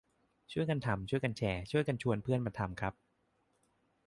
ช่วยกันทำ ช่วยกันแชร์ ช่วยกันชวนเพื่อนมาทำครับ